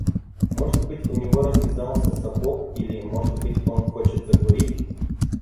Может быть, у него развязался сапог или, может быть, он хочет закурить.